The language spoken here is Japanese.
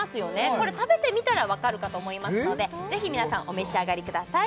これ食べてみたらわかるかと思いますのでぜひ皆さんお召し上がりください